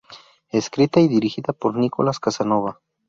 Escrita y dirigida por Nicolás Casanova.